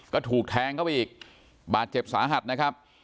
ก็ถูกแทงเข้าไปอีกบาดเจ็บสาหัสนะครับ